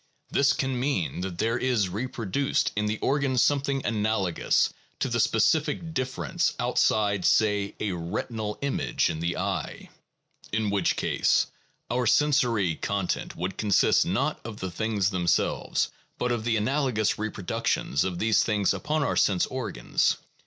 This can mean that there is reproduced in the organ something analogous to the specific difference outside, say, a retinal image in the eye, 1 in which case our sensory content would consist not of the things themselves, but of the analogous reproductions of these things upon our sense organs.